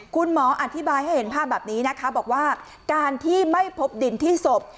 คุณหมออธิบายให้เห็นภาพแบบนี้นะคะบอกว่าการที่ไม่พบดินที่ศพ